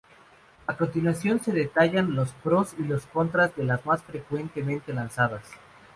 A continuación se detallan los pros y los contras de las más frecuentemente lanzadas.